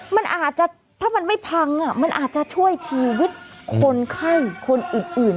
มันอาจจะถ้ามันไม่พังมันอาจจะช่วยชีวิตคนไข้คนอื่น